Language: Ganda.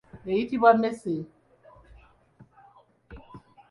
Eyitibwa mmese.